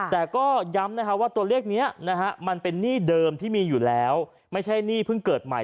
แต่ก็ย้ำว่าตัวเลขนี้นะฮะมันเป็นหนี้เดิมที่มีอยู่แล้วไม่ใช่หนี้เพิ่งเกิดใหม่